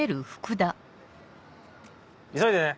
急いでね。